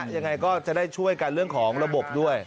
ยังไงก็จะได้ช่วยกันเรื่องของระบบด้วย